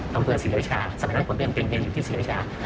อำเภอศรีราชาสมัยนั้นผมยังเป็นเนรอยู่ที่ศรีราชา